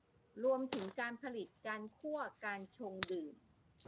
รวมถึงการผลิต การคั่ว การชงดื่ม